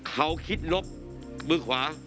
เขาคิดลบมือขวา